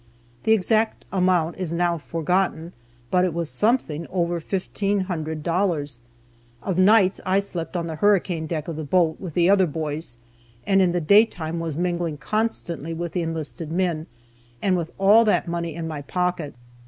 The exact amount is now forgotten, but it was something over fifteen hundred dollars. Of nights I slept on the hurricane deck of the boat, with the other boys, and in the day time was mingling constantly with the enlisted men, and with all that money in my pocket.